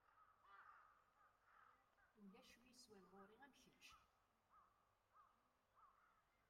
Ulac wi yeswan ɣur-i am kečč.